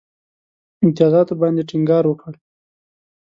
امتیازاتو باندي ټینګار وکړ.